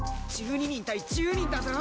１２人対１０人だぞ。